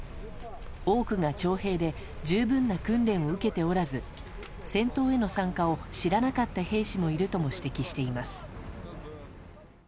多くが徴兵で十分な訓練を受けておらず戦闘への参加を知らなかった兵士もいると指摘しています。